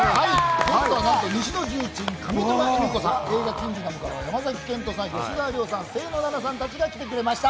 なんとなんと西の重鎮・上沼恵美子さん、映画『キングダム』からは山崎賢人さん、吉沢亮さん、清野菜名さんたちが来てくれました。